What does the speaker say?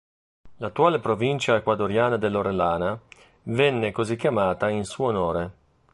L'attuale provincia ecuadoriana dell'Orellana venne così chiamata in suo onore.